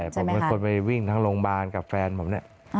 ผมเป็นคนไปวิ่งทั้งโรงพยาบาลกับแฟนผมเนี่ย